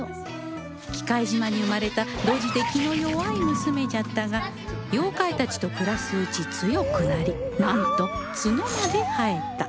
喜界島に生まれたドジで気の弱い娘じゃったが妖怪たちと暮らすうち強くなりなんと角まで生えた